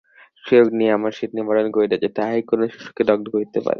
যে-অগ্নি আমার শীত-নিবারণ করিতেছে, তাহাই কোন শিশুকে দগ্ধ করিতে পারে।